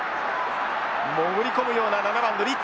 潜り込むような７番のリッチ。